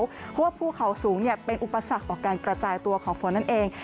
เพราะว่าภูเขาสูงเป็นอุปสรรคต่อการกระจายตัวของฝนนั่นเอง